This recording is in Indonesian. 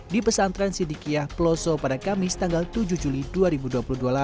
di pesantren sidikiyah pelosok pada kamis tanggal tujuh juli dua ribu dua puluh dua lalu di salah satu menyatakan usaha